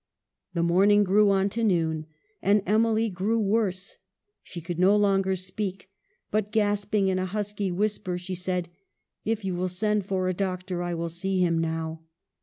The morning grew on to noon, and Emily grew worse. She could no longer speak, but — gasping in a husky whisper — she said :" If you will send for a doctor. I will see him now